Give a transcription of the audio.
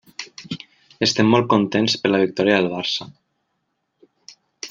Estem molt contents per la victòria del Barça.